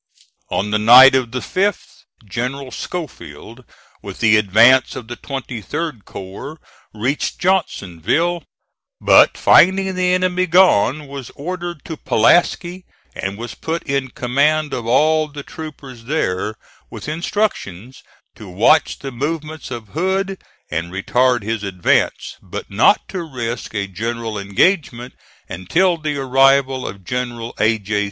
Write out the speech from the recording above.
On the night of the 5th, General Schofield, with the advance of the 23d corps, reached Johnsonville, but finding the enemy gone, was ordered to Pulaski, and was put in command of all the troopers there, with instruction to watch the movements of Hood and retard his advance, but not to risk a general engagement until the arrival of General A. J.